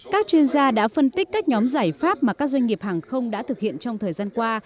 các chuyên gia đã phân tích các nhóm giải pháp mà các doanh nghiệp hàng không đã thực hiện trong thời gian qua